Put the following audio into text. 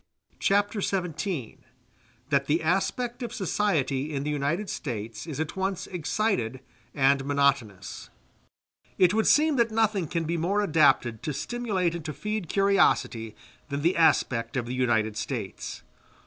Chapter XVII: That The Aspect Of Society In The United States Is At Once Excited And Monotonous It would seem that nothing can be more adapted to stimulate and to feed curiosity than the aspect of the United States.